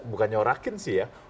bukan nyorakin sih ya